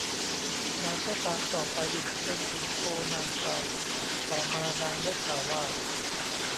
นางก็ตามต่อไปอีกจนถึงโพนางเซาต่อมานางได้ข่าวว่า